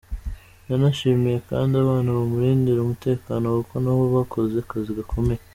Yanashimiye kandi abana bamurindira umutekano kuko nabo bakoze akazi gakomeye.